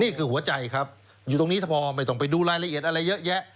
หัวใจครับอยู่ตรงนี้ถ้าพอไม่ต้องไปดูรายละเอียดอะไรเยอะแยะ